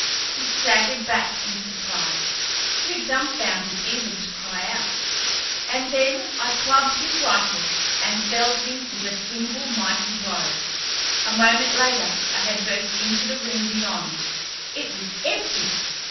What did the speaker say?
He staggered back in surprise, too dumbfounded even to cry out, and then I clubbed his rifle and felled him with a single mighty blow. A moment later, I had burst into the room beyond. It was empty!